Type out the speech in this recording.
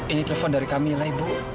ini telepon dari kamilah ibu